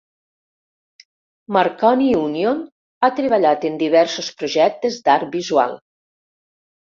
Marconi Union ha treballat en diversos projectes d'art visual.